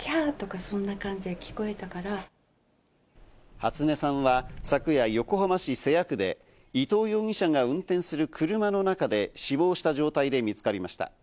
初音さんは昨夜、横浜市瀬谷区で伊藤容疑者が運転する車の中で死亡した状態で見つかりました。